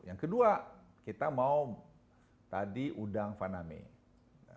yang kedua kita mau tadi udang faname